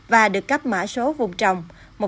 và được cấp mã số vùng trồng